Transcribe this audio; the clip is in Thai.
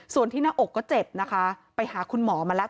ส่วนที่หน้าอกก็เจ็บนะคะไปหาคุณหมอมาแล้ว